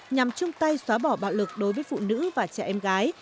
nhằm chung tay xóa bỏ bạo lực đối với phụ nữ và trẻ em gái